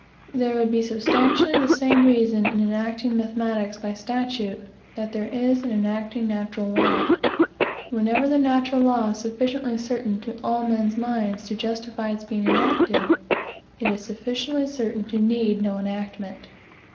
There would be substantially the same reason in enacting mathematics by statute, that there is in enacting natural law. Whenever the natural law is sufficiently certain to all men's minds to justify its being enacted, it is sufficiently certain to need no enactment.